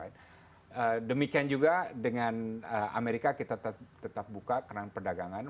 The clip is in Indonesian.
demikian juga dengan amerika kita tetap buka karena perdagangan